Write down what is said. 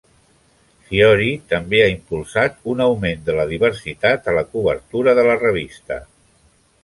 Fiori també ha impulsat un augment de la diversitat a la cobertura de la revista.